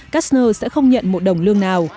kastner sẽ không nhận một đồng lương nào